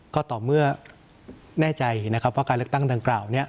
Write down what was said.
ก็ต่อเมื่อแน่ใจว่าการเลือกตั้งต่างกล่าว